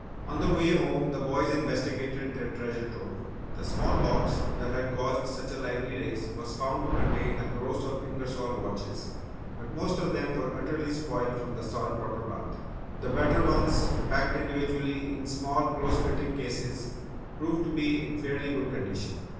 On the way home the boys investigated their treasure trove. The small box that had caused such a lively race was found to contain a gross of Ingersol watches. But most of them were utterly spoiled from the salt water bath. The better ones, packed individually in small close fitting cases, proved to be in fairly good condition.